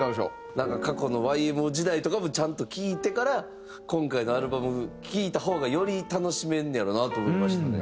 なんか過去のＹＭＯ時代とかもちゃんと聴いてから今回のアルバム聴いた方がより楽しめんねんやろなと思いましたね。